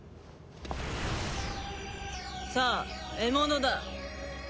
さあ獲物だ。